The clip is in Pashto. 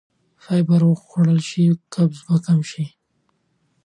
که فایبر وخوړل شي قبض به کمه شي.